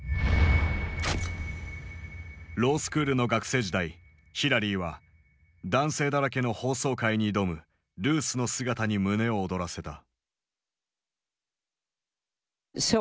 ロースクールの学生時代ヒラリーは男性だらけの法曹界に挑むルースの姿に胸を躍らせた。